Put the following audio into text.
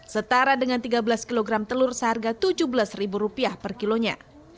setara dengan tiga belas kg telur seharga rp tujuh belas per kilonya